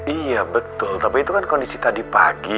iya betul tapi itu kan kondisi tadi pagi